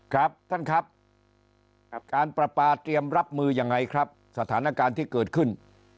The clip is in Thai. ครับท่านครับการประปาเตรียมรับมือยังไงครับสถานการณ์ที่เกิดขึ้น